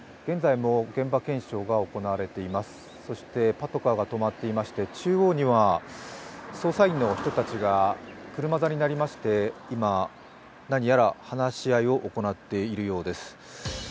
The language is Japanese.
パトカーが止まっていまして、中央には捜査員の人たちが車座になりまして、今、何やら話し合いを行っているようです。